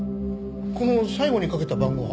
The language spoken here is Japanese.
この最後にかけた番号は？